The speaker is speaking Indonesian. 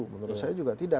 menurut saya juga tidak